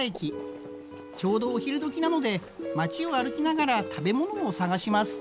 ちょうどお昼どきなので町を歩きながら食べ物を探します。